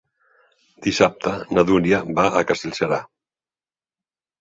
Dissabte na Dúnia va a Castellserà.